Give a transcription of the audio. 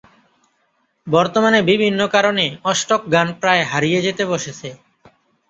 বর্তমানে বিভিন্ন কারণে অষ্টকগান প্রায় হারিয়ে যেতে বসেছে।